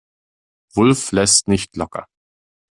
Wulff lässt nicht locker.